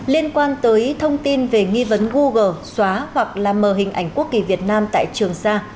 liên quan tới thông tin về nghi vấn google xóa hoặc là mờ hình ảnh quốc kỳ việt nam tại trường sa